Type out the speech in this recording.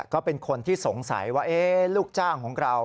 ก็เป็นคนที่สงสัยว่าลูกจ้างของเรา